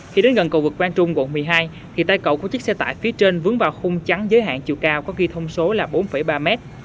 khi đến gần cầu vực quang trung quận một mươi hai thì tay cậu của chiếc xe tải phía trên vướng vào khung trắng giới hạn chiều cao có ghi thông số là bốn ba mét